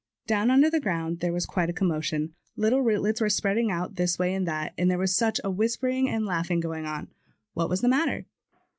Down under the ground there was quite a commotion; little rootlets were spreading out this way and that, and there was such a whispering and laughing going on! What was the matter?